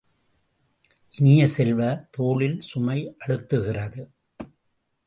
இனிய செல்வ, தோளில் சுமை அழுத்துகிறது!